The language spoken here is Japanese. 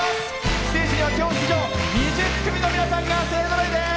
ステージには今日、出場２０組の皆さんが勢ぞろいです！